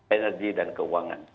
energi dan keuangan